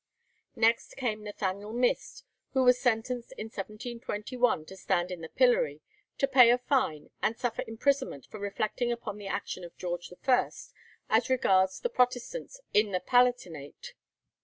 Next came Nathaniel Mist, who was sentenced in 1721 to stand in the pillory, to pay a fine, and suffer imprisonment for reflecting upon the action of George I. as regards the Protestants in the Palatinate.